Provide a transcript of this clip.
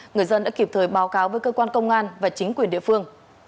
người dân đã kịp thời báo cáo với cơ quan công an và chính quyền địa phương